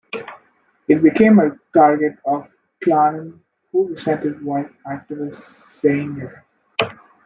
It became a target of the Klanm who resented white activists staying there.